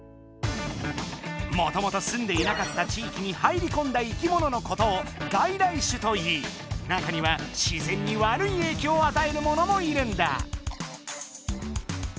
もともと住んでいなかった地域に入りこんだ生きもののことを「外来種」といい中には自然に悪い影響を与えるモノもいるんだ。